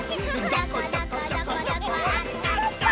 「どこどこどこどこあったった」